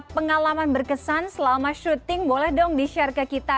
pengalaman berkesan selama syuting boleh dong di share ke kita